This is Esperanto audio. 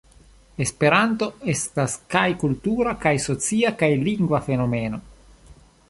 Esperanto estas kaj kultura, kaj socia, kaj lingva fenomeno.